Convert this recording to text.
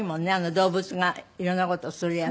動物が色んな事するやつ。